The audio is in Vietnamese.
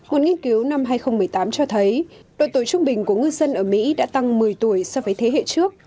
một nghiên cứu năm hai nghìn một mươi tám cho thấy đội tuổi trung bình của ngư dân ở mỹ đã tăng một mươi tuổi so với thế hệ trước